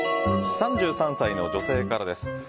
３３の女性からです。